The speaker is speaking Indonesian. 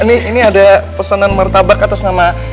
ini ini ada pesanan martabak atas nama